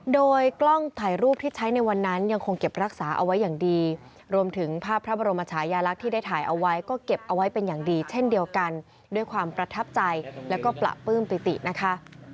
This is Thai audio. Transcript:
โดยกล้องถ่ายรูปที่ใช้ในวันนั้นยังคงเก็บรักษาเอาไว้อย่างดีรวมถึงภาพพระบรมชายาลักษณ์ที่ได้ถ่ายเอาไว้ก็เก็บเอาไว้เป็นอย่างดีเช่นเดียวกันด้วยความประทับใจแล้วก็ประปลื้มปิตินะคะ